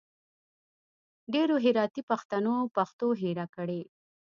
ډېرو هراتي پښتنو پښتو هېره کړي